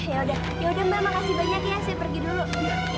ya udah yaudah mbak makasih banyak ya saya pergi dulu